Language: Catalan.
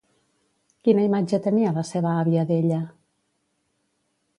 Quina imatge tenia la seva àvia d'ella?